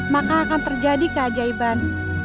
maka akan terjadi keajaiban